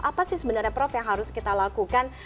apa sih sebenarnya prof yang harus kita lakukan